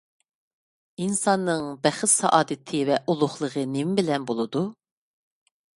ئىنساننىڭ بەخت-سائادىتى ۋە ئۇلۇغلۇقى نېمە بىلەن بولىدۇ؟